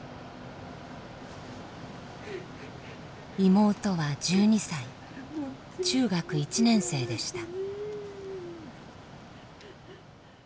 妹は１２歳中学１年生でした。